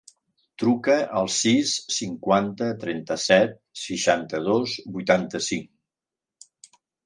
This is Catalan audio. Truca al sis, cinquanta, trenta-set, seixanta-dos, vuitanta-cinc.